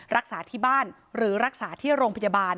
รักษาที่บ้านหรือรักษาที่โรงพยาบาล